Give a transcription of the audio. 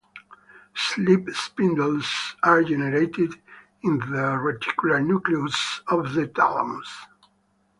Sleep spindles are generated in the reticular nucleus of the thalamus.